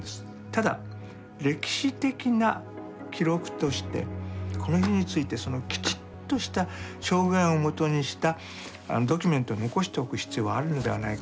ただ歴史的な記録としてこの日についてきちっとした証言をもとにしたドキュメントを残しておく必要があるのではないかと。